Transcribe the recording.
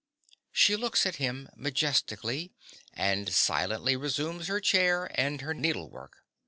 (_She looks at him majestically, and silently resumes her chair and her needlework.